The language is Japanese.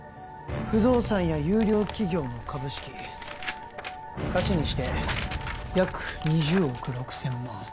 不動産や優良企業の株式価値にして約２０億６千万